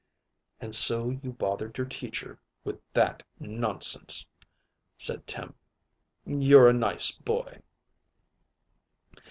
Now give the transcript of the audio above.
"And so you bothered your Teacher with that nonsense," said Tim. "You're a nice boy!"